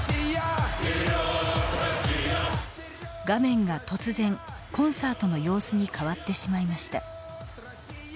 画面が突然コンサートの様子に変わってしまいました。